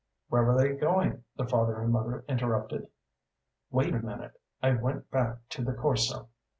"Where were they going?" the father and mother interrupted. "Wait a minute. I went back to the Corso.